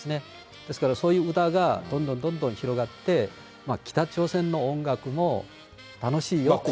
ですから、そういう歌がどんどんどんどん広がって、北朝鮮の音楽も楽しいよっていう。